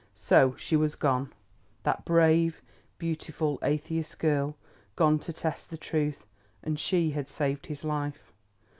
So she was gone, that brave, beautiful atheist girl—gone to test the truth. And she had saved his life!